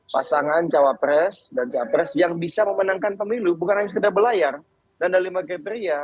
pasangan cawapres dan capres yang bisa memenangkan pemilu bukan hanya sekedar berlayar dan ada lima kriteria